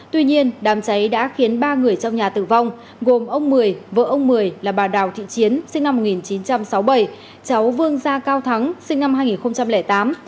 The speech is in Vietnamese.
tuy nhiên đám cháy đã khiến ba người trong nhà tử vong gồm ông mười vợ ông mười là bà đào thị chiến sinh năm một nghìn chín trăm sáu mươi bảy cháu vương gia cao thắng sinh năm hai nghìn tám